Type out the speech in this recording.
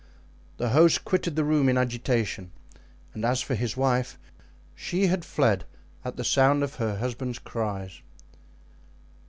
The host quitted the room in agitation, and as for his wife, she had fled at the sound of her husband's cries.